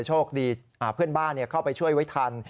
โชคดีเพื่อนบ้านเข้าไปช่วยไว้ทัน